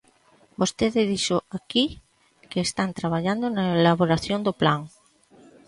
Vostede dixo aquí que están traballando na elaboración do plan.